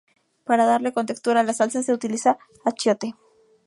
Para darle contextura a la salsa, se utiliza achiote.